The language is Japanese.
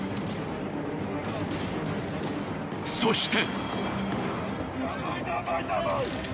［そして］